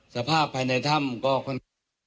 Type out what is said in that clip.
สภาพภายในถ้ำก็ค่อนข้าง